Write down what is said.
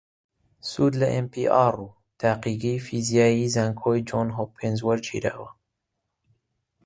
سود لە ئێن پی ئاڕ و تاقیگەی فیزیایی زانکۆی جۆن هۆپکینز وەرگیراوە